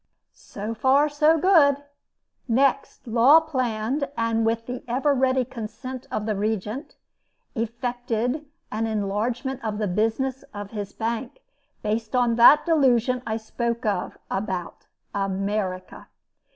So far, so good. Next, Law planned, and, with the ever ready consent of the Regent, effected, an enlargement of the business of his bank, based on that delusion I spoke of about America.